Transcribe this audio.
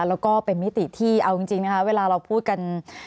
แล้วก็เป็นมิติที่เอาจริงนะคะเวลาเราพูดกัน